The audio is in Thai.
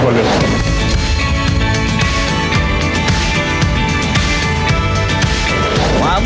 สุดท้าย